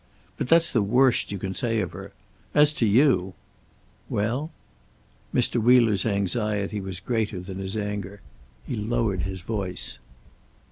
But that's the worst you can say of her. As to you " "Well?" Mr. Wheeler's anxiety was greater than his anger. He lowered his voice.